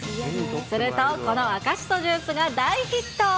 すると、この赤しそジュースが大ヒット。